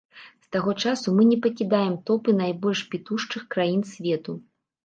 З таго часу мы не пакідаем топы найбольш пітушчых краін свету.